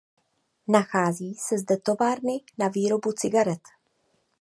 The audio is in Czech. Nachází se zde továrny na výrobu cigaret.